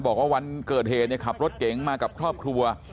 บอกว่าวันเกิดเหตุขับรถเก๋งมากับครอบครัว